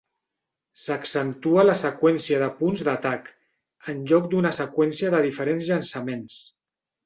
S'accentua la seqüència de punts d'atac, en lloc d'una seqüència de diferents llançaments.